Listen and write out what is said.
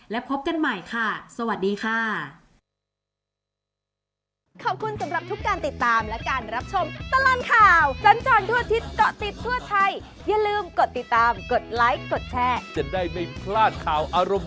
และพบกันใหม่ค่ะสวัสดีค่ะ